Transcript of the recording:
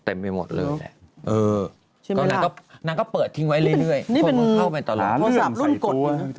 เต็มไปหมดเลยแหละเออนางก็เปิดทิ้งไว้เรื่อยพวกมันเข้าไปต่อเลยโทรศัพท์ลุ่มกด